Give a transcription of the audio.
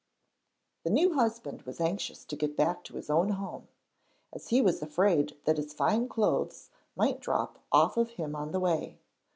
The new husband was anxious to get back to his own home, as he was afraid that his fine clothes might drop off him on the way.